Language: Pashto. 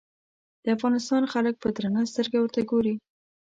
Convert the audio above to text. د افغانستان خلک په درنه سترګه ورته ګوري.